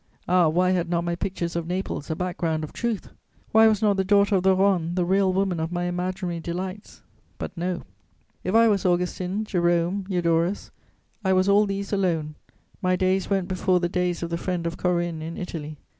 Ah, why had not my pictures of Naples a background of truth! Why was not the daughter of the Rhone the real woman of my imaginary delights? But no; if I was Augustine, Jerome, Eudorus, I was all these alone; my days went before the days of the friend of Corinne in Italy.